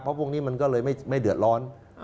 เพราะพวกนี้มันก็เลยไม่เดือดร้อน